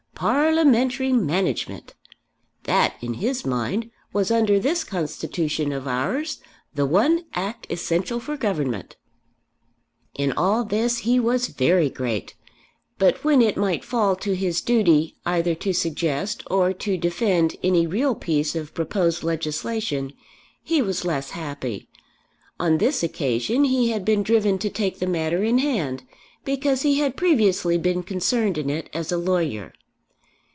Parliamentary management! That, in his mind, was under this Constitution of ours the one act essential for Government. In all this he was very great; but when it might fall to his duty either to suggest or to defend any real piece of proposed legislation he was less happy. On this occasion he had been driven to take the matter in hand because he had previously been concerned in it as a lawyer.